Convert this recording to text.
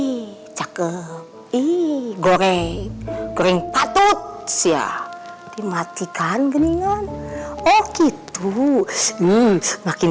hai oke tuh ih cakep ih goreng goreng patut siap dimatikan geningan oh gitu nih makin